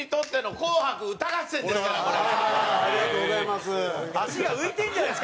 蛍原：ありがとうございます。